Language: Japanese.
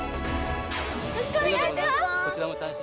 よろしくお願いします。